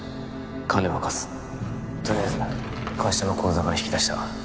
金は貸すとりあえず会社の口座から引き出した